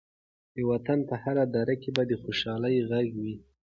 د وطن په هره دره کې به د خوشحالۍ غږ وي.